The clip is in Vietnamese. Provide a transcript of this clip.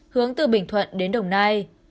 hướng từ bình thuận đến đồng nai